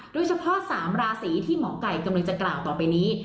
โดยเฉพาะ๓ราศีที่หมอไก่กำลังจะกล่าวต่อไปนี้